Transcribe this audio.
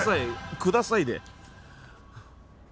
くださいで。